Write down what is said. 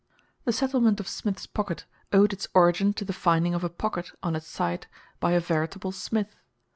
The settlement of Smith's Pocket owed its origin to the finding of a "pocket" on its site by a veritable Smith.